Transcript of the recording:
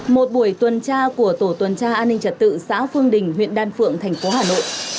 một buổi tuần tra của tổ tuần tra an ninh trật tự xã phương đình huyện đan phượng thành phố hà nội